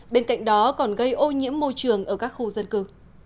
bên cạnh đó còn gây ô nhiễm môi trường ở các khu dân cư